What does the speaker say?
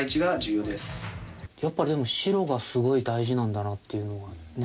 やっぱでも白がすごい大事なんだなっていうのがね。